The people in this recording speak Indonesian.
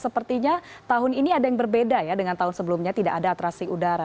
sepertinya tahun ini ada yang berbeda ya dengan tahun sebelumnya tidak ada atrasi udara